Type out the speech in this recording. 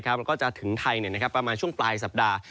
แล้วก็จะถึงไทยประมาณช่วงปลายสัปดาห์